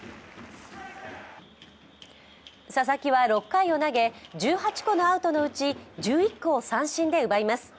佐々木は６回を投げ、１８個のアウトのうち１１個を三振で奪います。